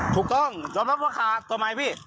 ถูกต้องรับรับว่าขาตัวไม่พี่